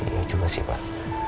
ya coba sih pak